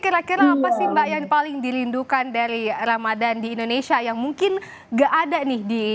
kira kira apa sih mbak yang paling dirindukan dari ramadhan di indonesia yang mungkin gak ada nih di